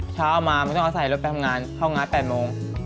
เช้ามาไม่ต้องอาศัยรถไปทำงานเข้างาน๘โมง